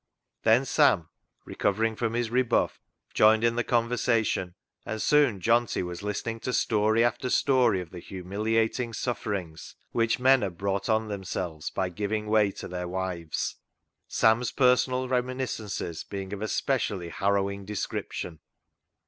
Then Sam, recovering from his rebuff, joined in the conversation, and soon Johnty was listen ing to story after story of the humiliating sufferings which men had brought on themselves by giving way to their wives, Sam's personal reminiscences being of a specially harrowing 174 CLOG SHOP CHRONICLES description.